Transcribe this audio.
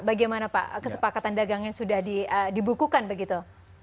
bagaimana pak kesepakatan dagangnya sudah dibukukan begitu